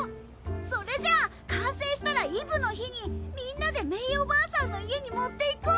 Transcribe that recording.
それじゃあ完成したらイブの日にみんなでメイおばあさんの家に持っていこう！